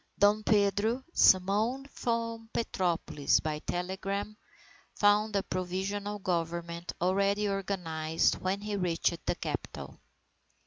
Dom Pedro, summoned from Petropolis by telegram, found a Provisional Government already organized when he reached the capital.